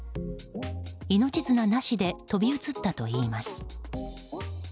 命綱なしで飛び移ったといいます。